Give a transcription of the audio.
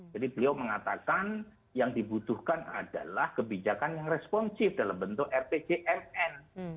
jadi beliau mengatakan yang dibutuhkan adalah kebijakan yang responsif dalam bentuk rpjmn